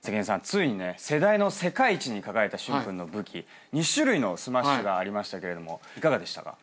ついに世代の世界一に輝いた駿君の武器２種類のスマッシュがありましたけれどもいかがでしたか？